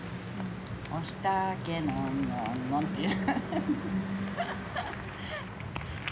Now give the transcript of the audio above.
「お火たけのんのんのん」っていう。